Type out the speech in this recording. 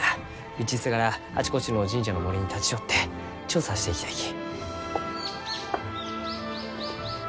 道すがらあちこちの神社の森に立ち寄って調査していきたいき。